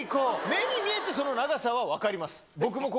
目に見えてその長さは分かります。